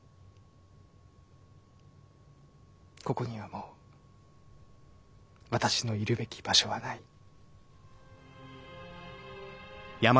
ここにはもう私のいるべき場所はない。